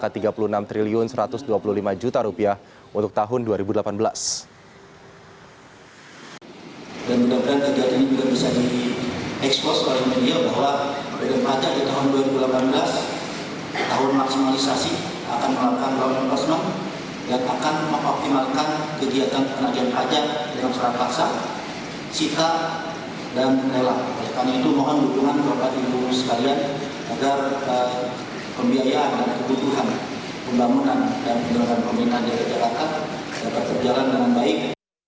karena itu mohon dukungan kepada timur sekalian agar pembiayaan dan kebutuhan pembangunan dan pendapatan pemerintah di jakarta dapat berjalan dengan baik